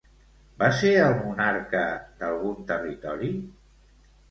Va ser el monarca d'algun territori?